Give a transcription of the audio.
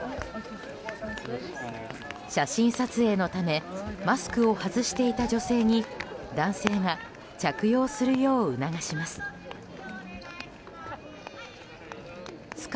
写真撮影のためマスクを外していた女性に男性が着用するよう促います。